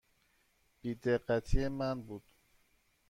بی دقتی من بود.